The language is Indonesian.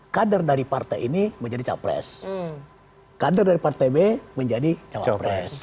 kader dari partai ini menjadi capres kader dari partai b menjadi cawapres